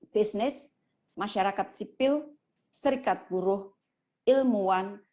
bisnis masyarakat sipil serikat buruh ilmuwan